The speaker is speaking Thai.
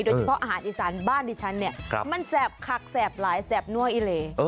โดยเฉพาะอาหารอีสานบ้านดิฉันเนี่ยมันแสบคักแสบหลายแสบนั่วอิเล